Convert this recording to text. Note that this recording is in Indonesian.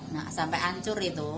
nah sampai hancur itu